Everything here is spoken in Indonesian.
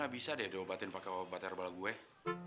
ayah tangkap dah